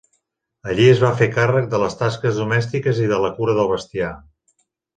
Allí es va fer càrrec de les tasques domèstiques i de la cura del bestiar.